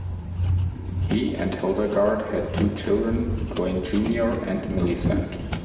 He and Hildagarde had two children, Dwain Junior and Millicent.